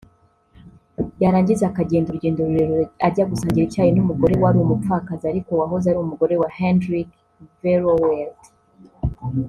yarangiza akagenda urugendo rurerure ajya gusangira icyayi n’umugore wari umupfakazi ariko wahoze ari umugore wa Hendrik Verwoerd